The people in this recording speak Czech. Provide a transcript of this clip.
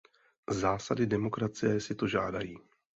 Zásady demokracie si to žádají.